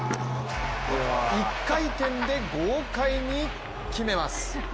１回転で豪快に決めます。